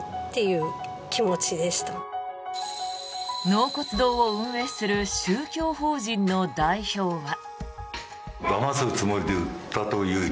納骨堂を運営する宗教法人の代表は。